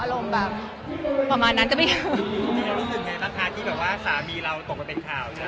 อารมณ์แบบประมาณนั้นจะไม่เกิน